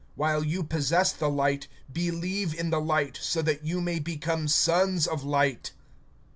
(36)While ye have the light, believe on the light, that ye may become sons of light.